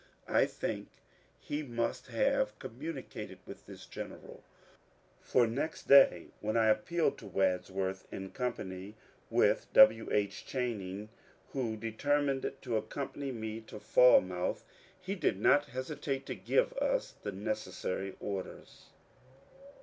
I think he must have communicated with this general, for next day when I appealed to Wads worth, in company with W. H. Channing, who determined to accompany me to Falmouth, he did not hesitate to give us the necessary orders.